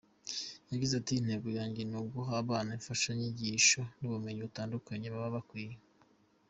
Yagize ati "Intego yanjye ni uguha abana imfashanyigisho n’ubumenyi butandukanye baba bakwiye.